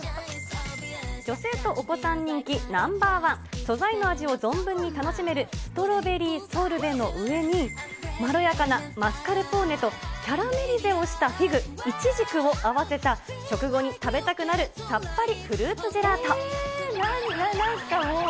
女性とお子さん人気ナンバー１、素材の味を存分に楽しめるストロベリーソルベの上に、まろやかなマスカルポーネとキャラメリゼをしたフィグ、イチジクを合わせた、食後に食べたくなるさっぱりフルーツジェラート。